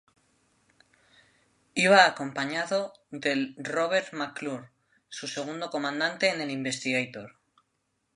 Iba acompañado del Robert McClure, su segundo comandante en el "Investigator".